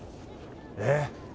えっ？